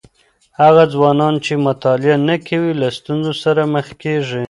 هغه ځوانان چي مطالعه نه کوي، له ستونزو سره مخ کیږي.